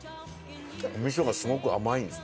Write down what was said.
お味噌がすごく甘いんです。